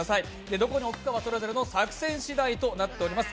どこに置くかは、それぞれの作戦しだいとなっております。